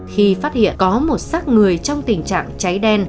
khi phát hiện có một sát người trong tình trạng cháy đen